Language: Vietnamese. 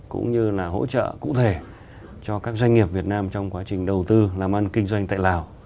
cũng như là hỗ trợ cụ thể cho các doanh nghiệp việt nam trong quá trình đầu tư làm ăn kinh doanh tại lào